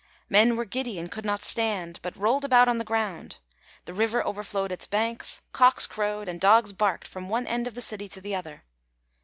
Men were giddy and could not stand, but rolled about on the ground; the river overflowed its banks; cocks crowed, and dogs barked from one end of the city to the other.